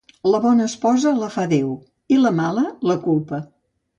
La bona esposa la fa Déu, i la mala, la culpa.